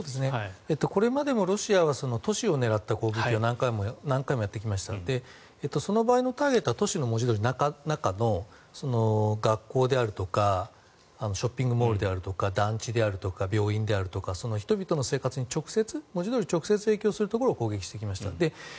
これまでもロシアは都市を狙った攻撃を何回もやってきましたのでその場合のターゲットは文字どおり、都市の中の学校であるとかショッピングモールであるとか団地であるとか病院であるとか、人々の生活に文字通り直接影響するところを攻撃してきました。